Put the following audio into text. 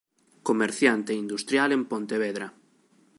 Comerciante e industrial en Pontevedra.